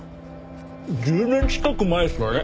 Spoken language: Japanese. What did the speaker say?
１０年近く前ですかね。